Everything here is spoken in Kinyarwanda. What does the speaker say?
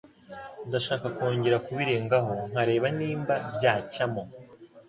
Ndashaka kongera kubirengaho nkareba nimba byacyamo.